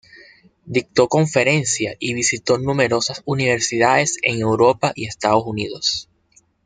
Dictó conferencias y visitó numerosas universidades en Europa y Estados Unidos.